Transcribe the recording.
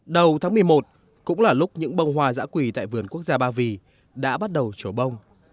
đầu tháng một mươi một cũng là lúc những bông hoa giã quỳ tại vườn quốc gia ba vì đã bắt đầu trổ bông